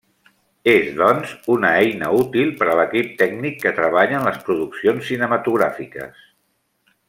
És, doncs, una eina útil per a l'equip tècnic que treballa en les produccions cinematogràfiques.